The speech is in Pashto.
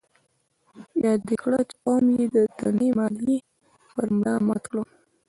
ياده يې کړه چې قوم يې درنې ماليې پر ملا مات کړ.